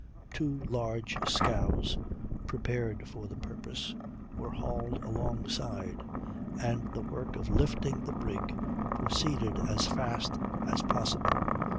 "Two large scows, prepared for the purpose, were hauled alongside, and the work of lifting the brig proceeded as fast as possible.